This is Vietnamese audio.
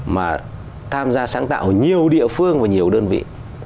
mà tham gia sáng tạo ở nhiều địa phương và nhiều đơn vị